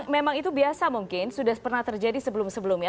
memang itu biasa mungkin sudah pernah terjadi sebelum sebelumnya